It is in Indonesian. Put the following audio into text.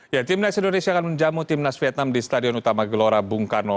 ya tim nas indonesia akan menjamu tim nas vietnam di stadion utama gelora bung karno